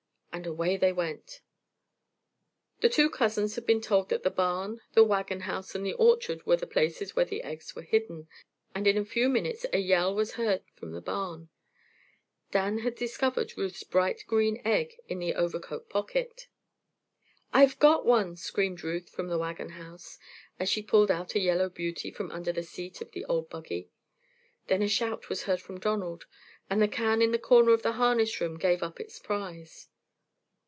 and away they went. The two cousins had been told that the barn, the wagon house and the orchard were the places where the eggs were hidden, and in a few minutes a yell was heard in the barn. Dan had discovered Ruth's green egg in the overcoat pocket. "I've got one!" screamed Ruth from the wagon house, as she pulled out a yellow beauty from under the seat of the old buggy. Then a shout was heard from Donald, and the can in the corner of the harness room gave up its prize.